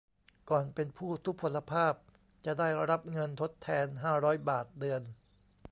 ก่อนเป็นผู้ทุพพลภาพ จะได้รับเงินทดแทน ห้าร้อย บาทเดือน